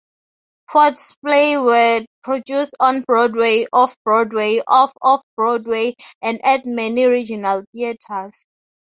Foote's plays were produced on Broadway, Off-Broadway, Off-Off-Broadway and at many regional theatres.